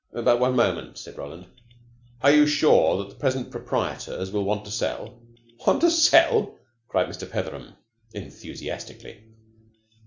"But one moment," said Roland. "Are you sure that the present proprietors will want to sell?" "Want to sell," cried Mr. Petheram enthusiastically.